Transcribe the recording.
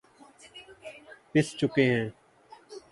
پس چکے ہیں